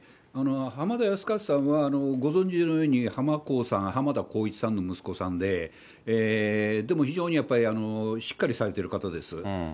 浜田靖一さんは、ご存じのように、ハマコーさん、浜田こういちさんの息子さんで、でも非常にやっぱりしっかりされてる方です。